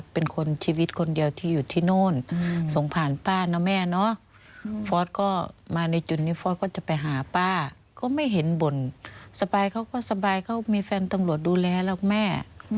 เป็นคนชีวิตคนเดียวที่อยู่ที่โน่นส่งผ่านป้านะแม่เนาะฟอร์สก็มาในจุดนี้ฟอร์สก็จะไปหาป้าก็ไม่เห็นบ่นสบายเขาก็สบายเขามีแฟนตำรวจดูแลหรอกแม่